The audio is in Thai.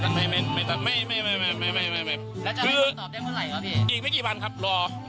แล้วจะให้ครับตอบได้เมื่อไหร่ครับพี่